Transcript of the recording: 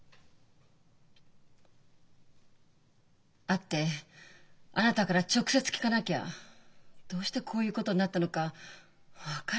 会ってあなたから直接聞かなきゃどうしてこういうことになったのか分からないもの。